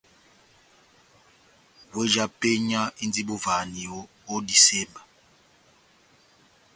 Weh já penya indi bovahaniyo ó disemba.